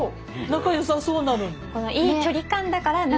仲良さそうなのに。